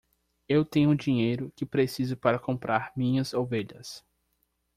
Eu tenho o dinheiro que preciso para comprar minhas ovelhas.